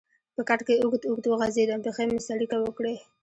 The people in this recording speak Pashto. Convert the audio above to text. په کټ کې اوږد اوږد وغځېدم، پښې مې څړیکه وکړې.